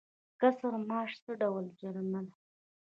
کسر معاش څه ډول جریمه ده؟